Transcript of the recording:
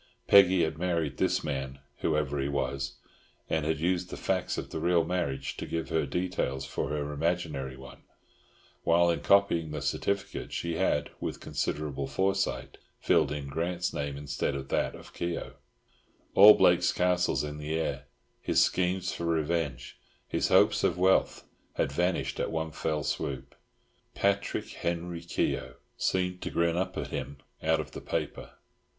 Peggy had married this other man, whoever he was, and had used the facts of the real marriage to give her the details for her imaginary one, while in copying the certificate she had, with considerable foresight, filled in Grant's name instead of that of Keogh. All Blake's castles in the air, his schemes for revenge, his hopes of wealth, had vanished at one fell swoop. "Patrick Henry Keogh" seemed to grin up at him out of the paper.